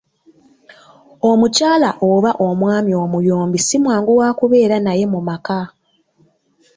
Omukyala oba omwami omuyombi simwangu wakubeera naye mu maka.